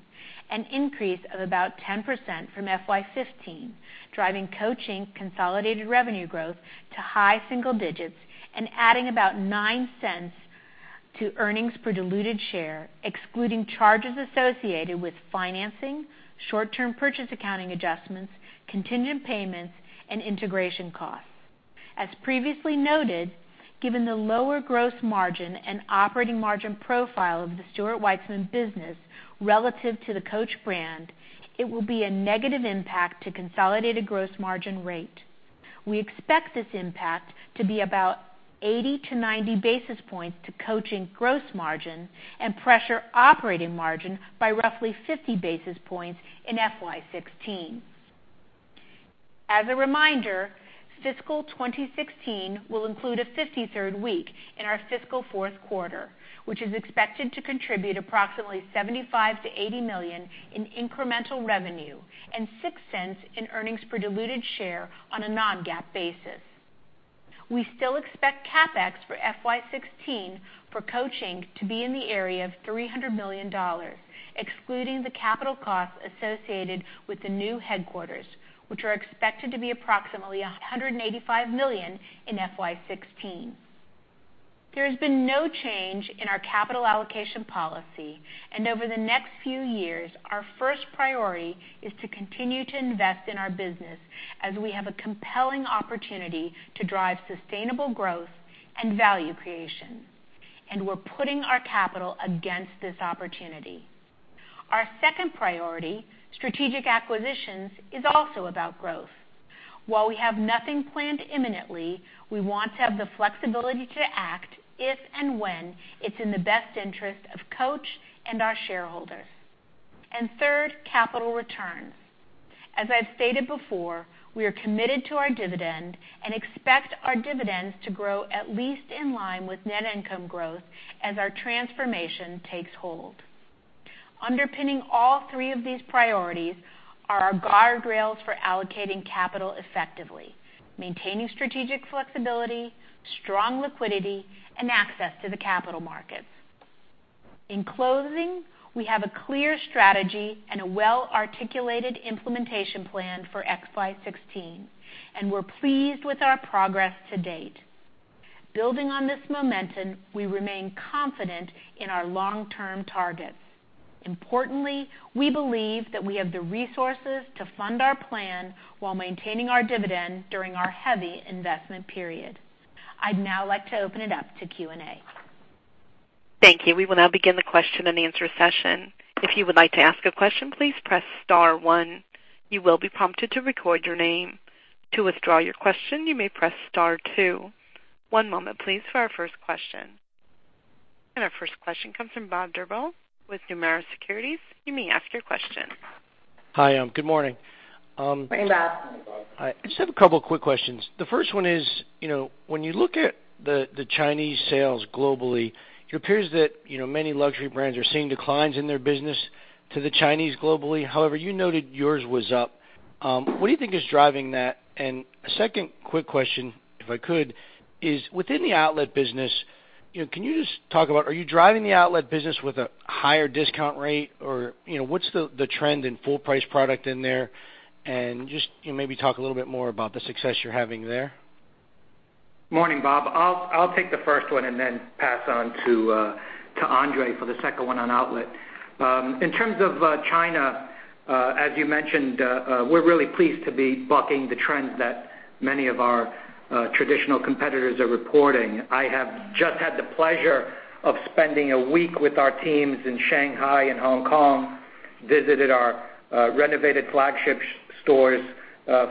an increase of about 10% from FY 2015, driving Coach consolidated revenue growth to high single digits and adding about $0.09 to earnings per diluted share, excluding charges associated with financing, short-term purchase accounting adjustments, contingent payments, and integration costs. As previously noted, given the lower gross margin and operating margin profile of the Stuart Weitzman business relative to the Coach brand, it will be a negative impact to consolidated gross margin rate. We expect this impact to be about 80-90 basis points to Coach gross margin and pressure operating margin by roughly 50 basis points in FY 2016. As a reminder, fiscal 2016 will include a 53rd week in our fiscal fourth quarter, which is expected to contribute approximately $75 million-$80 million in incremental revenue and $0.06 in earnings per diluted share on a non-GAAP basis. We still expect CapEx for FY 2016 for Coach to be in the area of $300 million, excluding the capital costs associated with the new headquarters, which are expected to be approximately $185 million in FY 2016. There has been no change in our capital allocation policy. Over the next few years, our first priority is to continue to invest in our business as we have a compelling opportunity to drive sustainable growth and value creation. We're putting our capital against this opportunity. Our second priority, strategic acquisitions, is also about growth. While we have nothing planned imminently, we want to have the flexibility to act if and when it's in the best interest of Coach and our shareholders. Third, capital returns. As I've stated before, we are committed to our dividend and expect our dividends to grow at least in line with net income growth as our transformation takes hold. Underpinning all three of these priorities are our guardrails for allocating capital effectively, maintaining strategic flexibility, strong liquidity, and access to the capital markets. In closing, we have a clear strategy and a well-articulated implementation plan for FY 2016. We're pleased with our progress to date. Building on this momentum, we remain confident in our long-term targets. Importantly, we believe that we have the resources to fund our plan while maintaining our dividend during our heavy investment period. I'd now like to open it up to Q&A. Thank you. We will now begin the question and answer session. If you would like to ask a question, please press star one. You will be prompted to record your name. To withdraw your question, you may press star two. One moment, please, for our first question. Our first question comes from Bob Drbul with Nomura Securities. You may ask your question. Hi. Good morning. Morning, Bob. Hi. I just have a couple quick questions. The first one is: when you look at the Chinese sales globally, it appears that many luxury brands are seeing declines in their business to the Chinese globally. However, you noted yours was up. What do you think is driving that? A second quick question, if I could, is within the outlet business, can you just talk about, are you driving the outlet business with a higher discount rate or what's the trend in full price product in there? Just maybe talk a little bit more about the success you're having there. Morning, Bob. I'll take the first one and then pass on to Andre for the second one on outlet. In terms of China, as you mentioned, we're really pleased to be bucking the trends that many of our traditional competitors are reporting. I have just had the pleasure of spending a week with our teams in Shanghai and Hong Kong, visited our renovated flagship stores,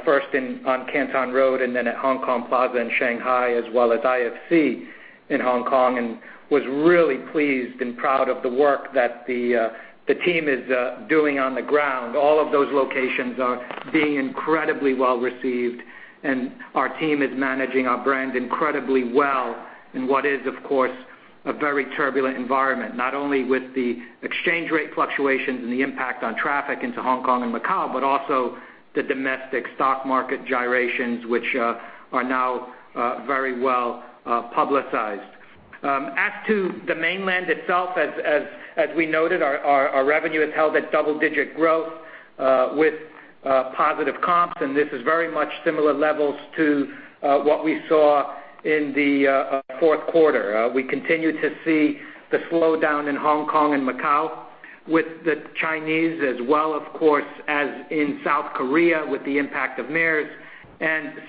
first on Canton Road and then at Hong Kong Plaza in Shanghai, as well as IFC in Hong Kong, and was really pleased and proud of the work that the team is doing on the ground. All of those locations are being incredibly well-received. Our team is managing our brand incredibly well in what is, of course, a very turbulent environment, not only with the exchange rate fluctuations and the impact on traffic into Hong Kong and Macau, but also the domestic stock market gyrations, which are now very well-publicized. As to the mainland itself, as we noted, our revenue has held at double-digit growth with positive comps. This is very much similar levels to what we saw in the fourth quarter. We continue to see the slowdown in Hong Kong and Macau with the Chinese as well, of course, as in South Korea with the impact of MERS.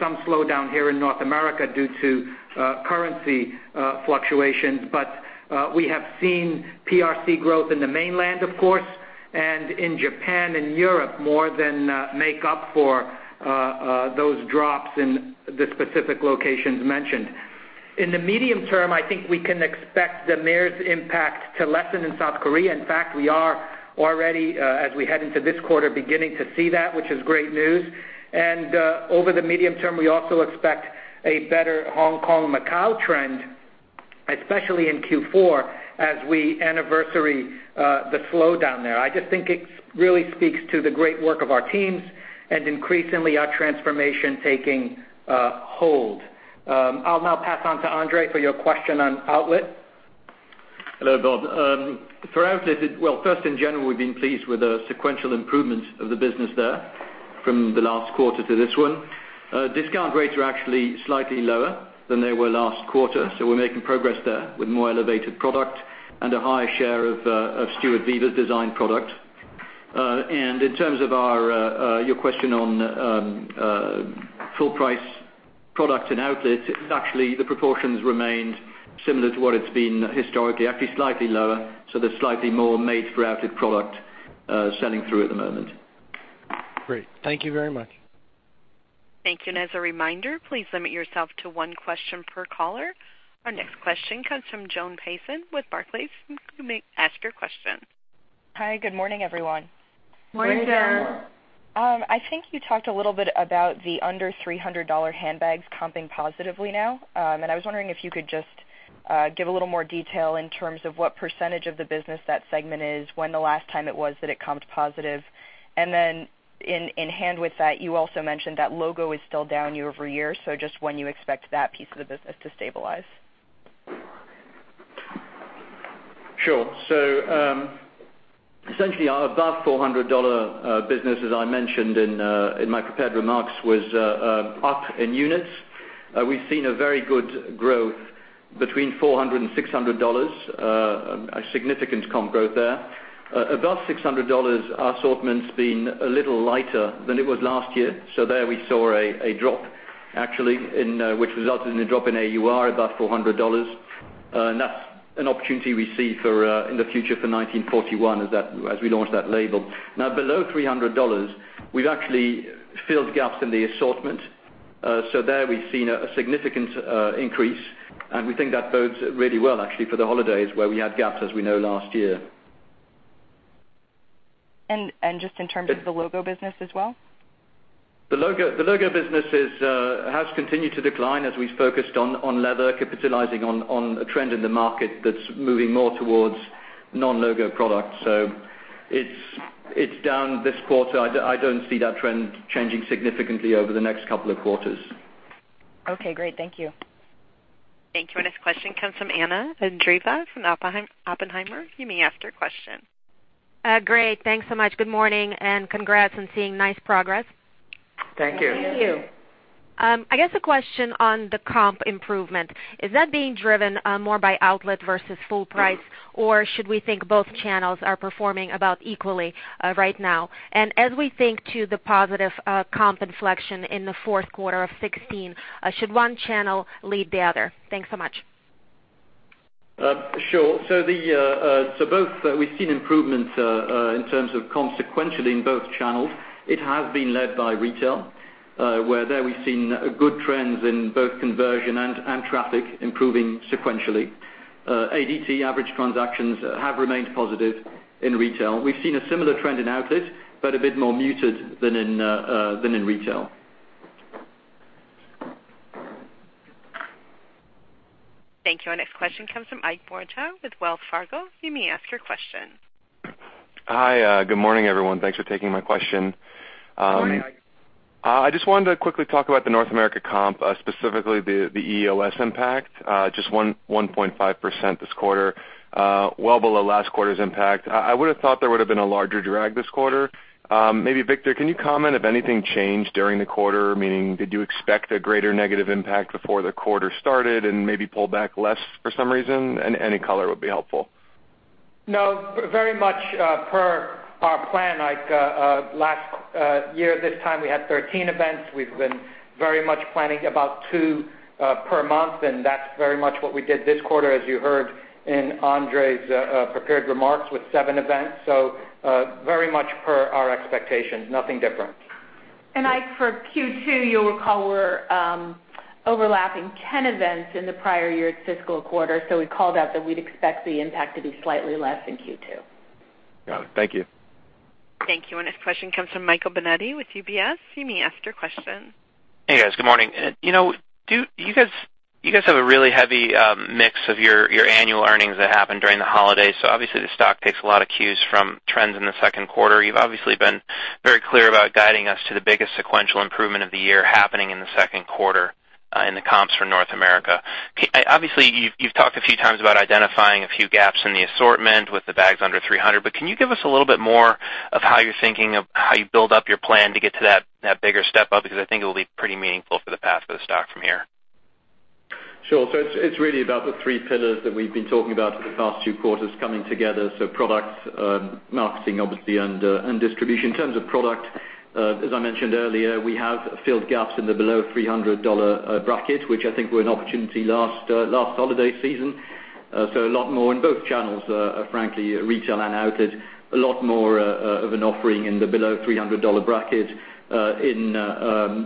Some slowdown here in North America due to currency fluctuations. We have seen PRC growth in the mainland, of course, and in Japan and Europe more than make up for those drops in the specific locations mentioned. In the medium term, I think we can expect the MERS impact to lessen in South Korea. In fact, we are already, as we head into this quarter, beginning to see that, which is great news. Over the medium term, we also expect a better Hong Kong, Macau trend, especially in Q4 as we anniversary the slowdown there. I just think it really speaks to the great work of our teams and increasingly our transformation taking hold. I'll now pass on to Andre for your question on outlet. Hello, Bob. First, in general, we've been pleased with the sequential improvements of the business there from the last quarter to this one. Discount rates are actually slightly lower than they were last quarter, we're making progress there with more elevated product and a higher share of Stuart Vevers' design product. In terms of your question on full price product and outlet, actually, the proportions remained similar to what it's been historically, actually slightly lower. There's slightly more made-for-outlet product selling through at the moment. Great. Thank you very much. Thank you. As a reminder, please limit yourself to one question per caller. Our next question comes from Joan Payson with Barclays. You may ask your question. Hi. Good morning, everyone. Morning. I think you talked a little bit about the under $300 handbags comping positively now. I was wondering if you could just give a little more detail in terms of what percentage of the business that segment is, when the last time it was that it comped positive. In hand with that, you also mentioned that logo is still down year-over-year. Just when you expect that piece of the business to stabilize. Sure. Essentially, our above $400 business, as I mentioned in my prepared remarks, was up in units. We've seen a very good growth between $400 and $600, a significant comp growth there. Above $600, our assortment's been a little lighter than it was last year. There we saw a drop, actually, which resulted in a drop in AUR above $400. That's an opportunity we see in the future for 1941 as we launch that label. Below $300, we've actually filled gaps in the assortment. There we've seen a significant increase, and we think that bodes really well, actually, for the holidays where we had gaps, as we know, last year. Just in terms of the logo business as well? The logo business has continued to decline as we've focused on leather, capitalizing on a trend in the market that's moving more towards non-logo products. It's down this quarter. I don't see that trend changing significantly over the next couple of quarters. Okay, great. Thank you. Thank you. Our next question comes from Anna Andreeva from Oppenheimer. You may ask your question. Great. Thanks so much. Good morning, congrats and seeing nice progress. Thank you. Thank you. I guess a question on the comp improvement. Is that being driven more by outlet versus full price, or should we think both channels are performing about equally right now? And as we think to the positive comp inflection in the fourth quarter of 2016, should one channel lead the other? Thanks so much. Sure. Both, we've seen improvements in terms of consequentially in both channels. It has been led by retail, where there we've seen good trends in both conversion and traffic improving sequentially. ADT, average transactions, have remained positive in retail. We've seen a similar trend in outlet, but a bit more muted than in retail. Thank you. Our next question comes from Ike Boruchow with Wells Fargo. You may ask your question. Hi, good morning, everyone. Thanks for taking my question. Good morning, Ike. I just wanted to quickly talk about the North America comp, specifically the EOS impact. Just 1.5% this quarter. Well below last quarter's impact. I would've thought there would've been a larger drag this quarter. Maybe Victor, can you comment if anything changed during the quarter? Meaning, did you expect a greater negative impact before the quarter started and maybe pull back less for some reason? Any color would be helpful. No, very much per our plan, Ike. Last year, this time we had 13 events. We've been very much planning about two per month, and that's very much what we did this quarter, as you heard in Andre's prepared remarks with seven events. Very much per our expectations. Nothing different. Ike, for Q2, you'll recall we're overlapping 10 events in the prior year's fiscal quarter, so we called out that we'd expect the impact to be slightly less in Q2. Got it. Thank you. Thank you. Our next question comes from Michael Binetti with UBS. You may ask your question. Hey, guys. Good morning. You guys have a really heavy mix of your annual earnings that happen during the holidays. Obviously the stock takes a lot of cues from trends in the second quarter. You've obviously been very clear about guiding us to the biggest sequential improvement of the year happening in the second quarter, in the comps for North America. Obviously, you've talked a few times about identifying a few gaps in the assortment with the bags under $300. Can you give us a little bit more of how you're thinking of how you build up your plan to get to that bigger step up? I think it will be pretty meaningful for the path of the stock from here. Sure. It's really about the three pillars that we've been talking about for the past two quarters coming together. Products, marketing, obviously, and distribution. In terms of product, as I mentioned earlier, we have filled gaps in the below $300 bracket, which I think were an opportunity last holiday season. A lot more in both channels, frankly, retail and outlet. A lot more of an offering in the below $300 bracket.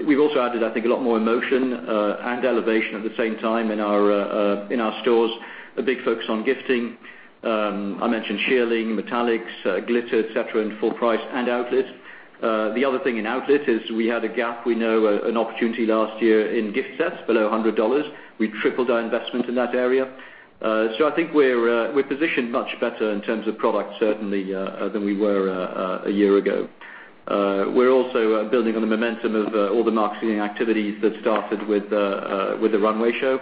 We've also added, I think, a lot more emotion and elevation at the same time in our stores. A big focus on gifting. I mentioned shearling, metallics, glitter, et cetera, in full price and outlet. The other thing in outlet is we had a gap. We know an opportunity last year in gift sets below $100. We tripled our investment in that area. I think we're positioned much better in terms of product, certainly, than we were a year ago. We're also building on the momentum of all the marketing activities that started with the runway show.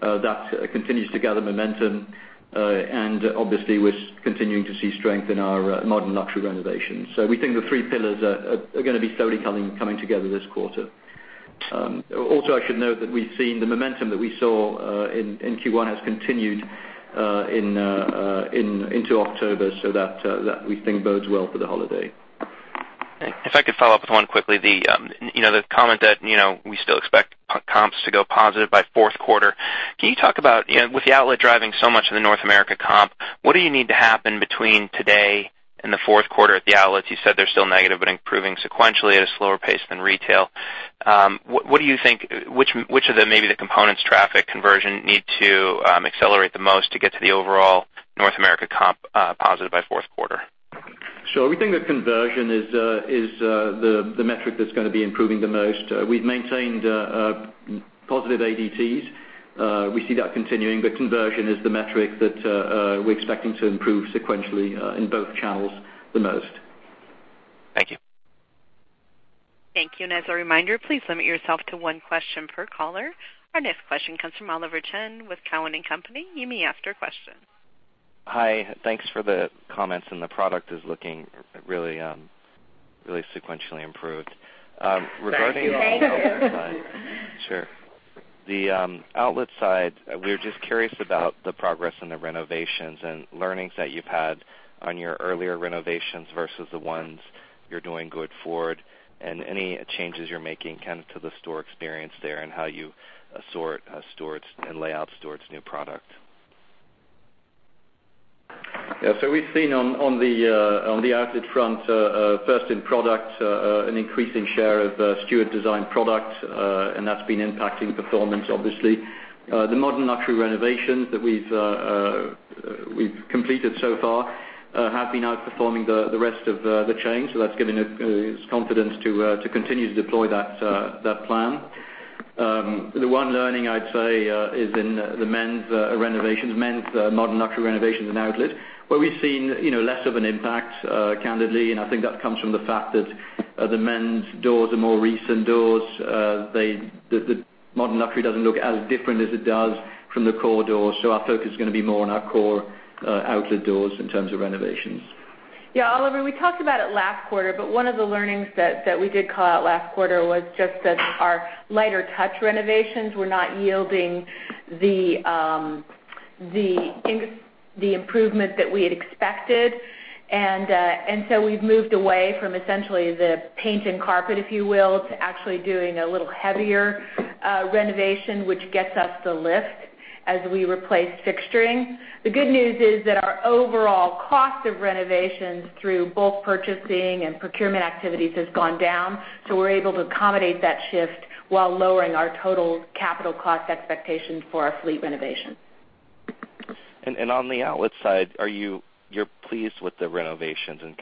That continues to gather momentum. Obviously we're continuing to see strength in our modern luxury renovation. We think the three pillars are going to be slowly coming together this quarter. I should note that we've seen the momentum that we saw in Q1 has continued into October. We think that bodes well for the holiday. If I could follow up with one quickly. The comment that we still expect comps to go positive by fourth quarter. Can you talk about, with the outlet driving so much of the North America comp, what do you need to happen between today and the fourth quarter at the outlets? You said they're still negative but improving sequentially at a slower pace than retail. What do you think, which of the components, traffic, conversion, need to accelerate the most to get to the overall North America comp positive by fourth quarter? Sure. We think that conversion is the metric that's going to be improving the most. We've maintained positive ADTs. We see that continuing, but conversion is the metric that we're expecting to improve sequentially in both channels the most. Thank you. Thank you. As a reminder, please limit yourself to one question per caller. Our next question comes from Oliver Chen with Cowen and Company. You may ask your question. Hi. Thanks for the comments, and the product is looking really sequentially improved. Thank you. Thank you. Sure. The outlet side, we were just curious about the progress and the renovations and learnings that you've had on your earlier renovations versus the ones you're doing going forward, and any changes you're making to the store experience there and how you assort and lay out stores' new product. Yeah. We've seen on the outlet front, first in product, an increasing share of Stuart-designed product, and that's been impacting performance, obviously. The modern luxury renovations that we've completed so far have been outperforming the rest of the chain, so that's given us confidence to continue to deploy that plan. The one learning I'd say is in the men's modern luxury renovations in outlet, where we've seen less of an impact, candidly, and I think that comes from the fact that the men's doors are more recent doors. The modern luxury doesn't look as different as it does from the core doors. Our focus is going to be more on our core outlet doors in terms of renovations. Yeah, Oliver, one of the learnings that we did call out last quarter was just that our lighter touch renovations were not yielding the improvement that we had expected. We've moved away from essentially the paint and carpet, if you will, to actually doing a little heavier renovation, which gets us the lift as we replace fixturing. The good news is that our overall cost of renovations through bulk purchasing and procurement activities has gone down. We're able to accommodate that shift while lowering our total capital cost expectations for our fleet renovation. On the outlet side, you're pleased with the renovations and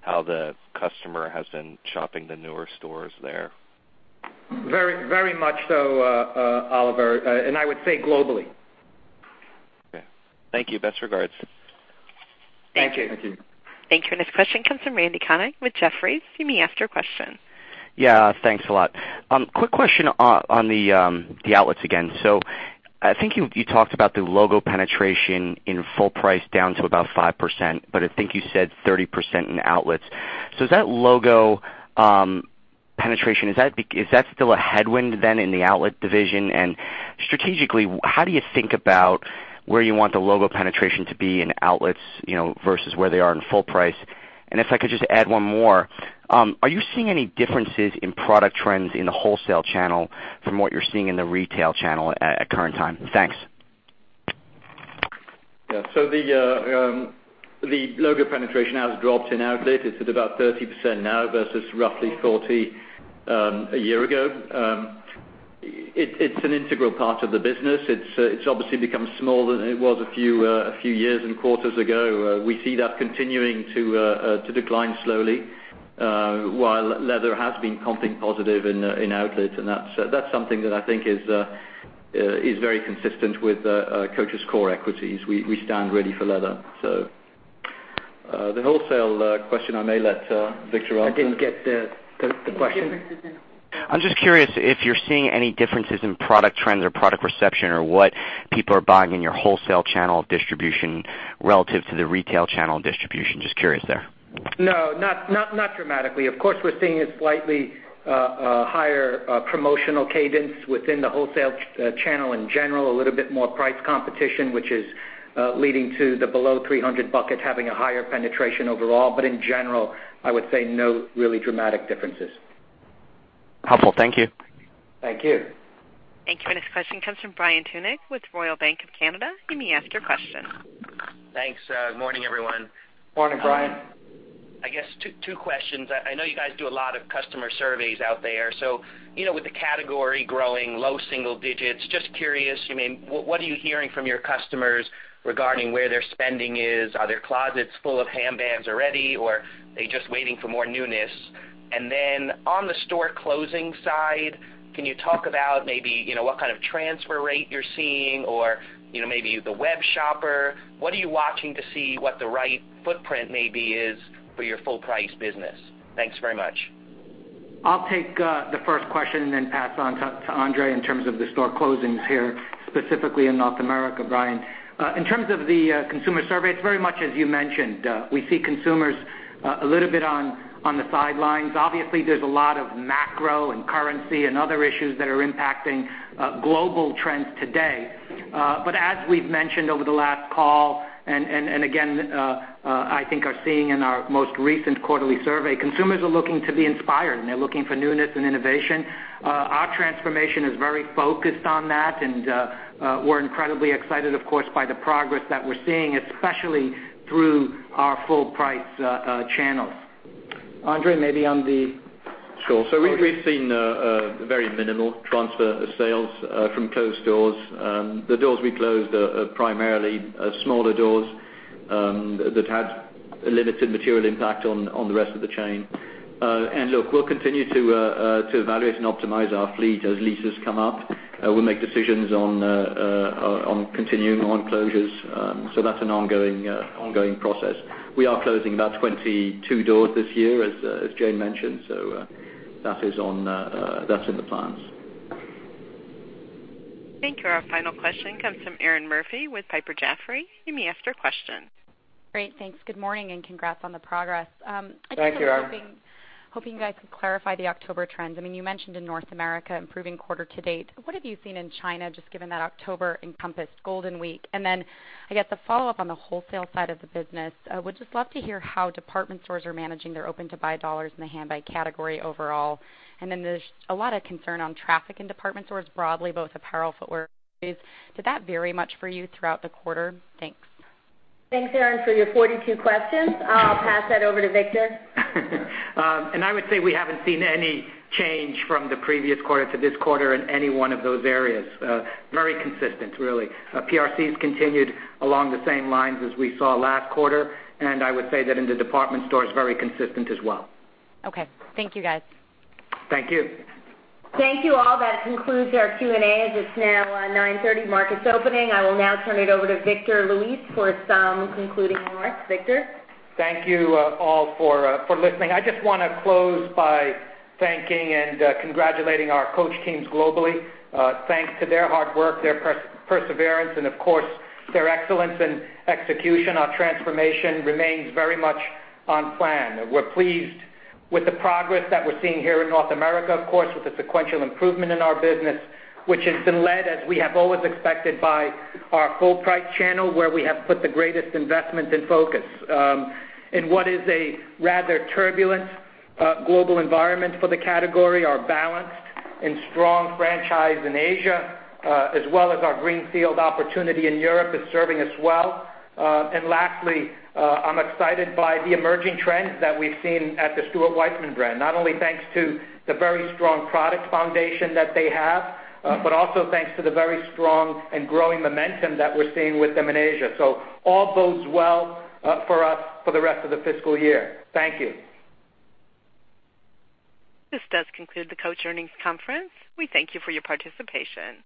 how the customer has been shopping the newer stores there? Very much so, Oliver, I would say globally. Okay. Thank you. Best regards. Thank you. Thank you. Thank you. Our next question comes from Randal Konik with Jefferies. You may ask your question. Yeah, thanks a lot. Quick question on the outlets again. I think you talked about the logo penetration in full price down to about 5%, but I think you said 30% in outlets. Is that logo penetration, is that still a headwind then in the outlet division? Strategically, how do you think about where you want the logo penetration to be in outlets versus where they are in full price? If I could just add one more, are you seeing any differences in product trends in the wholesale channel from what you're seeing in the retail channel at current time? Thanks. The logo penetration has dropped in outlet. It's at about 30% now versus roughly 40% a year ago. It's an integral part of the business. It's obviously become smaller than it was a few years and quarters ago. We see that continuing to decline slowly while leather has been comping positive in outlets, and that's something that I think is very consistent with Coach's core equities. We stand ready for leather. The wholesale question I may let Victor answer. I didn't get the question. I'm just curious if you're seeing any differences in product trends or product reception or what people are buying in your wholesale channel of distribution relative to the retail channel distribution. Just curious there. Not dramatically. Of course, we're seeing a slightly higher promotional cadence within the wholesale channel in general, a little bit more price competition, which is leading to the below 300 buckets having a higher penetration overall. In general, I would say no really dramatic differences. Helpful. Thank you. Thank you. Thank you. Our next question comes from Brian Tunick with Royal Bank of Canada. You may ask your question. Thanks. Good morning, everyone. Morning, Brian. I guess two questions. I know you guys do a lot of customer surveys out there. With the category growing low single digits, just curious, what are you hearing from your customers regarding where their spending is? Are their closets full of handbags already, or are they just waiting for more newness? On the store closing side, can you talk about maybe what kind of transfer rate you're seeing or maybe the web shopper? What are you watching to see what the right footprint maybe is for your full-price business? Thanks very much. I'll take the first question and then pass on to Andre in terms of the store closings here, specifically in North America, Brian. In terms of the consumer survey, it's very much as you mentioned. We see consumers a little bit on the sidelines. Obviously, there's a lot of macro and currency and other issues that are impacting global trends today. As we've mentioned over the last call, and again, I think are seeing in our most recent quarterly survey, consumers are looking to be inspired, and they're looking for newness and innovation. Our transformation is very focused on that, and we're incredibly excited, of course, by the progress that we're seeing, especially through our full-price channels. Andre, maybe on the. Sure. We've seen a very minimal transfer of sales from closed stores. The doors we closed are primarily smaller doors that had a limited material impact on the rest of the chain. Look, we'll continue to evaluate and optimize our fleet as leases come up. We'll make decisions on continuing on closures. That's an ongoing process. We are closing about 22 doors this year, as Jane mentioned. That's in the plans. Thank you. Our final question comes from Erinn Murphy with Piper Jaffray. You may ask your question. Great. Thanks. Good morning, congrats on the progress. Thank you, Erinn. I'm hoping you guys could clarify the October trends. You mentioned in North America, improving quarter to date. What have you seen in China, just given that October encompassed Golden Week? Then I guess a follow-up on the wholesale side of the business. Would just love to hear how department stores are managing their open-to-buy dollars in the handbag category overall. Then there's a lot of concern on traffic in department stores broadly, both apparel, footwear. Did that vary much for you throughout the quarter? Thanks. Thanks, Erinn, for your 42 questions. I'll pass that over to Victor. I would say we haven't seen any change from the previous quarter to this quarter in any one of those areas. Very consistent, really. PRCs continued along the same lines as we saw last quarter, and I would say that in the department stores, very consistent as well. Okay. Thank you, guys. Thank you. Thank you, all. That concludes our Q&A, as it's now 9:30 A.M., markets opening. I will now turn it over to Victor Luis for some concluding remarks. Victor? Thank you all for listening. I just want to close by thanking and congratulating our Coach teams globally. Thanks to their hard work, their perseverance, and of course, their excellence in execution, our transformation remains very much on plan. We're pleased with the progress that we're seeing here in North America, of course, with the sequential improvement in our business, which has been led, as we have always expected, by our full-price channel, where we have put the greatest investments in focus. In what is a rather turbulent global environment for the category, our balanced and strong franchise in Asia, as well as our greenfield opportunity in Europe, is serving us well. Lastly, I'm excited by the emerging trend that we've seen at the Stuart Weitzman brand, not only thanks to the very strong product foundation that they have, but also thanks to the very strong and growing momentum that we're seeing with them in Asia. All bodes well for us for the rest of the fiscal year. Thank you. This does conclude the Coach earnings conference. We thank you for your participation.